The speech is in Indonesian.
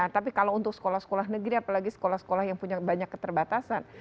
tapi kalau untuk sekolah sekolah negeri apalagi sekolah sekolah yang punya banyak keterbatasan